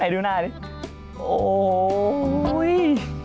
ให้ดูหน้านี่